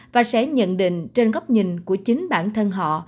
và sẽ nhận định trên góc nhìn của chính bản thân họ